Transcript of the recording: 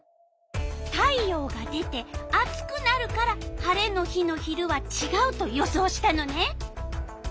太陽が出て暑くなるから晴れの日の昼はちがうと予想したのね。